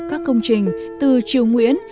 các công trình từ triều nguyễn